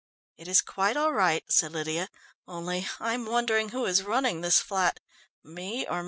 "It is quite all right," said Lydia, "only I'm wondering who is running this flat, me or Mr. Jaggs?"